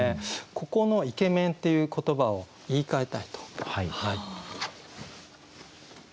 ここの「イケメン」っていう言葉を言いかえたいと。